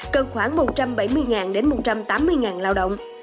cần khoảng một trăm bảy mươi một trăm tám mươi đồng